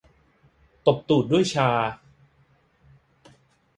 ตบตูดด้วยชา